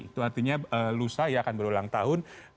itu artinya lusa ya akan berulang tahun